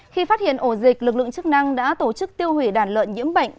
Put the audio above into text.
khi phát hiện ổ dịch lực lượng chức năng đã tổ chức tiêu hủy đàn lợn nhiễm bệnh